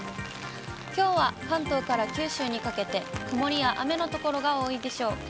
きょうは関東から九州にかけて、曇りや雨の所が多いでしょう。